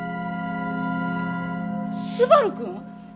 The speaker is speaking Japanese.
昴くん！？